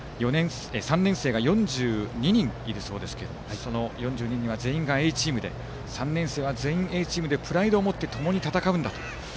３年生が４２人いるそうですがその４２人は全員がＡチームで３年生は全員Ａチームでプライドを持ってともに戦うんだと。